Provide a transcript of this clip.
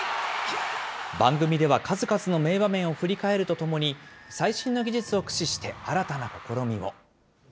番組では数々の名場面を振り返るとともに、最新の技術を駆使して、新たな試みも。